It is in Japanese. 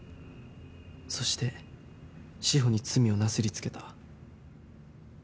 そして志法に罪をなすりつけた。